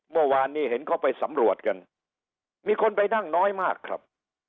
เมื่อวานนี้เห็นเขาไปสำรวจกันมีคนไปนั่งน้อยมากครับ